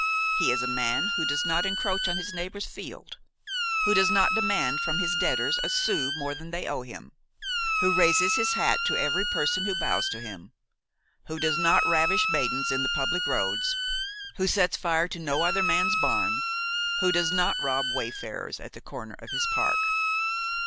He is a man who does not encroach on his neighbor's field; who does not demand from his debtors a sou more than they owe him; who raises his hat to every person who bows to him; who does not ravish maidens in the public roads; who sets fire to no other man's barn; who does not rob wayfarers at the corner of his park.